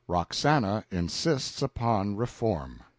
Roxana Insists Upon Reform.